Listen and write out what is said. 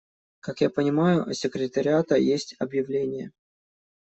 Как я понимаю, у секретариата есть объявление.